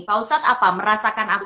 pak ustadz apa merasakan apa